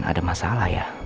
ada masalah ya